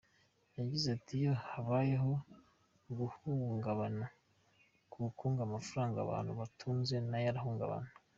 Yagize ati “Iyo habayeho uguhungabana k’ubukungu, amafaranga abantu batunze nayo aragabanuka.